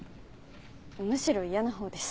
むしろ嫌な方です。